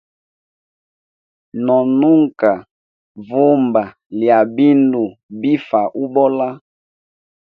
No nunka vumba lya bindu bifa ubola.